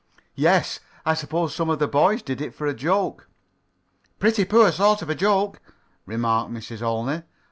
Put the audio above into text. "Yes. I suppose some of the boys did it for a joke." "Pretty poor sort of a joke," remarked Mrs. Olney.